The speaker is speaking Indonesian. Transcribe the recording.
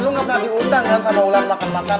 lo gak pernah diundang sama bulan makan makan